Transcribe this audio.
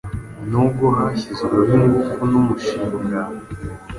Nubwo hashyizweho ingufu numushinga